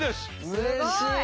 うれしい。